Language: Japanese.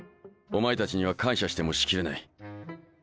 お前たちには感謝してもしきれない。